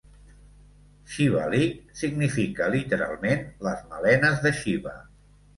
Shivalik significa literalment "les melenes de Shiva".